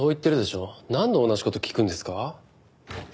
何度同じ事聞くんですか？